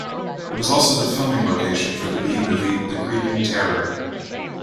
It was also the filming location for the B-movie "The Creeping Terror".